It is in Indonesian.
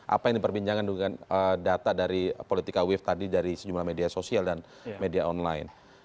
apa yang diperbincangkan dengan data dari politika wave tadi dari sejumlah media sosial dan media online